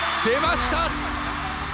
出ました